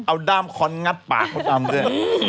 เอาด้ามค้นงัดปากกอดอัมด้วย